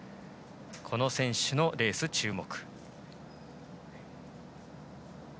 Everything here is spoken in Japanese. この選手のレース、注目。